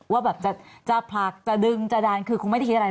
ว่าแบบจะผลักจะดึงจะดันคือคงไม่ได้คิดอะไร